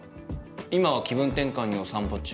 今は気分転換にお散歩中」